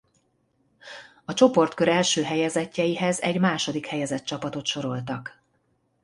A csoportkör első helyezettjeihez egy második helyezett csapatot sorsoltak.